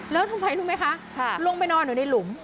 แล้วทำไมรู้ไหมคะลงไปนอนอยู่ในหลุม